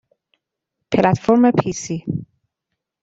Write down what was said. پلتفرم پیسی